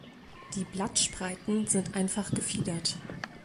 Die Blattspreiten sind einfach gefiedert.